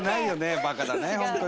バカだね、本当に。